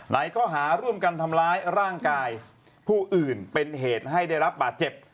ข้อหาร่วมกันทำร้ายร่างกายผู้อื่นเป็นเหตุให้ได้รับบาดเจ็บ